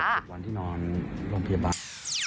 ทุกวันที่นอนโรงพยาบาล